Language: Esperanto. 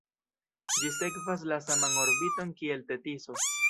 Ĝi sekvas la saman orbiton kiel Tetiso.